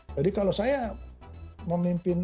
jadi kalau saya memimpin